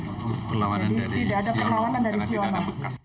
jadi tidak ada perlawanan dari siono